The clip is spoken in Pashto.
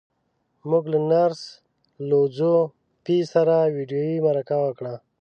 موږ له نرس لو ځو پي سره ويډيويي مرکه وکړه.